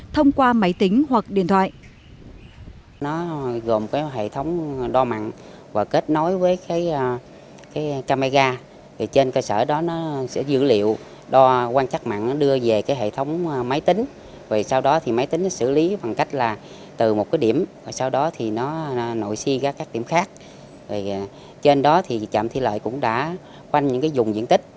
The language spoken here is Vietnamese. thông qua máy tính hoặc điện thoại